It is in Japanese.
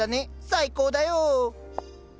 最高だよ。